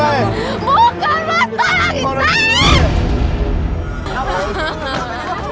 ayah kamu jangan nangis lagi dong